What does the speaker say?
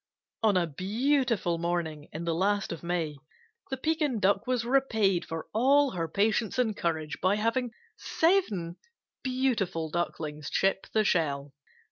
On a beautiful morning in the last of May, the Pekin Duck was repaid for all her patience and courage by having seven beautiful Ducklings chip the shell.